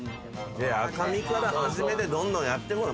で赤身から始めてどんどんやってく。